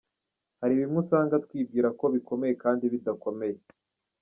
Hari bimwe usanga twibwira ko bikomeye kandi bidakomeye.